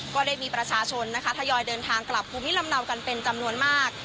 ก็ได้มีประชาชนนะคะทยอยเดินทางกลับภูมิลำเนากันเป็นจำนวนมาก